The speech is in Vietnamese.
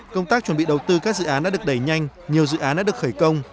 công tác chuẩn bị đầu tư các dự án đã được đẩy nhanh nhiều dự án đã được khởi công